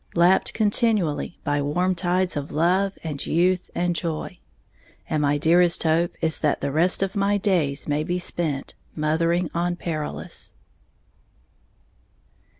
Lapped continually by warm tides of love and youth and joy. And my dearest hope is that the rest of my days may be spent Mothering on Perilous.